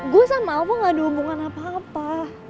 gua sama awang gak ada hubungan apa apa